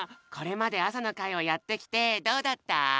これまであさのかいをやってきてどうだった？